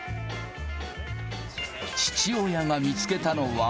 父親が見つけたのは。